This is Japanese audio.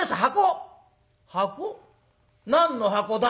「箱？何の箱だ？」。